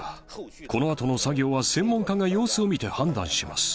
このあとの作業は専門家が様子を見て判断します。